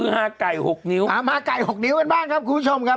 ฮาไก่หกนิ้วมาไก่๖นิ้วกันบ้างครับคุณผู้ชมครับ